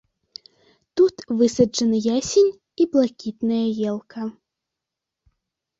Тут высаджаны ясень і блакітная елка.